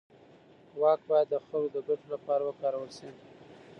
واک باید د خلکو د ګټو لپاره وکارول شي.